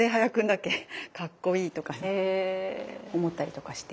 かっこいい！とか思ったりとかして。